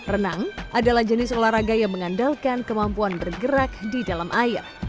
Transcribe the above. renang adalah jenis olahraga yang mengandalkan kemampuan bergerak di dalam air